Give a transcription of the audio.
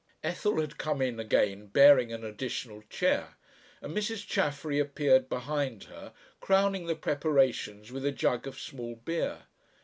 Ethel had come in again bearing an additional chair, and Mrs. Chaffery appeared behind her, crowning the preparations with a jug of small beer.